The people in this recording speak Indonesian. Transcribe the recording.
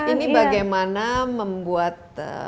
ini bagaimana membuat